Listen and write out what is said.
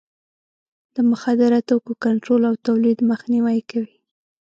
د مخدره توکو کنټرول او تولید مخنیوی کوي.